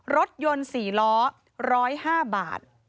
รถยนต์๔ล้อ๑๐๕บาท